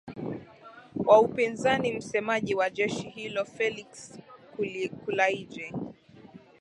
wa upinzani msemaji wa jeshi hilo felix kulaije